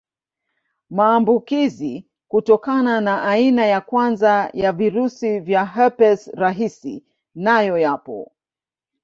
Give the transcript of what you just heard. Maambukizi kutokana na aina ya kwanza ya virusi vya herpes rahisi nayo yapo